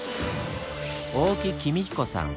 大木公彦さん。